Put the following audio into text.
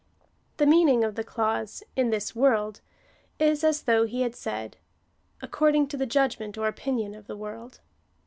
3 The meaning of the clause in this world, is as though he had said —" According to the judgment or opinion of the world."